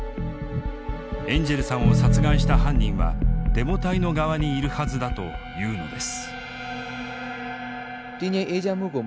エンジェルさんを殺害した犯人はデモ隊の側にいるはずだと言うのです。